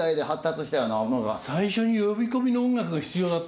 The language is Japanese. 最初に呼び込みの音楽が必要だった？